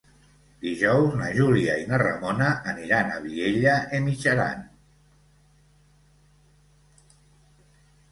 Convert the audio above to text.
Dijous na Júlia i na Ramona aniran a Vielha e Mijaran.